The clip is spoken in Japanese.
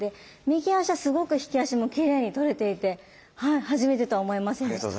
右足はすごく引き足もきれいに取れていて初めてとは思えませんでした。